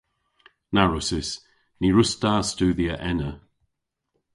Na wrussys. Ny wruss'ta studhya ena.